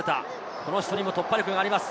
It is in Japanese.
この人にも突破力があります。